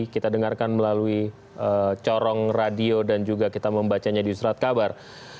kita dengarkan melalui corong radio dan juga kita membacanya di uslat kabar